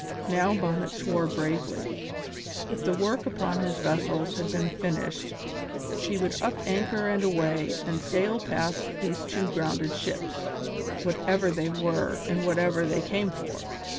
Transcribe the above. Now Bonnet swore bravely. If the work upon his vessels had been finished he would up anchor and away and sail past these two grounded ships, whatever they were and whatever they came for.